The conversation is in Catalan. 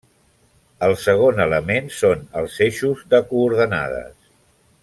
El segon element són els eixos de coordenades.